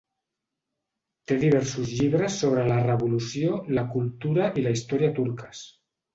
Té diversos llibres sobre la Revolució, la cultura i la història turques.